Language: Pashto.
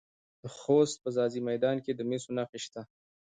د خوست په ځاځي میدان کې د مسو نښې شته.